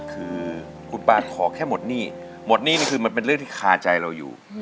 คือคุณปานขอแค่หมดหนี้หมดหนี้นี่คือมันเป็นเรื่องที่คาใจเราอยู่